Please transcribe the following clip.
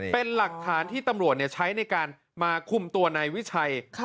เป็นหลักฐานที่ตำรวจใช้ในการมาคุมตัวนายวิชัย